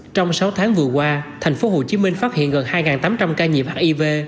trong sáu tháng vừa qua thành phố hồ chí minh phát hiện gần hai tám trăm linh ca nhiễm hiv